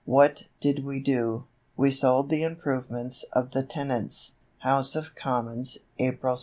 What did we do? We sold the improvements of the tenants" (House of Commons, April 16).